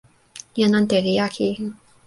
jan ante li jaki.